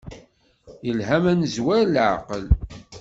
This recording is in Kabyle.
Yelha ma nezwer leɛqel.